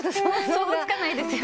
想像つかないですよね？